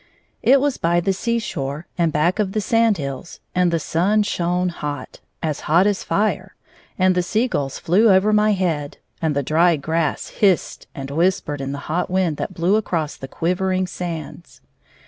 It was by the seashore and back of the sand hills, and the sun shone hot — as hot as fire — and the sea gulls flew over my head, and the dry grass hissed and whispered in the hot wmd that blew across the quivering sands.